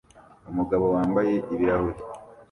Umugabo wambaye ibirahure